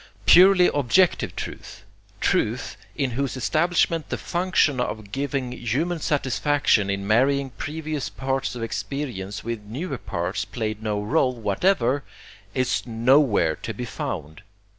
Purely objective truth, truth in whose establishment the function of giving human satisfaction in marrying previous parts of experience with newer parts played no role whatever, is nowhere to be found.